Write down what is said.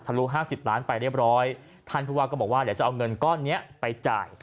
ลุ๕๐ล้านไปเรียบร้อยท่านผู้ว่าก็บอกว่าเดี๋ยวจะเอาเงินก้อนนี้ไปจ่าย